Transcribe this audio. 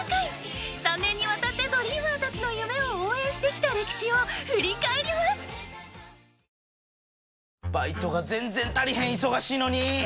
［３年にわたってドリーマーたちの夢を応援してきた歴史を振り返ります！］